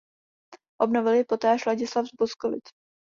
Obnovil ji poté až Ladislav z Boskovic.